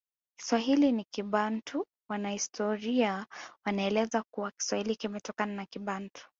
Kiswahili ni Kibantu Wanahistoria wanaeleza kuwa Kiswahili kimetokana na Kibantu